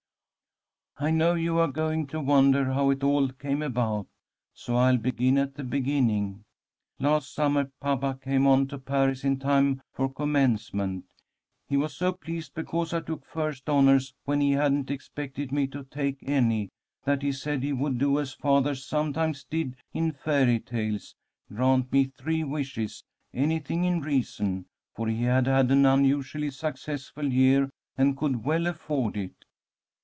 "'I know you are going to wonder how it all came about, so I'll begin at the beginning. Last summer papa came on to Paris in time for Commencement. He was so pleased because I took first honours, when he hadn't expected me to take any, that he said he would do as fathers sometimes did in fairy tales, grant me three wishes, anything in reason; for he had had an unusually successful year and could well afford it.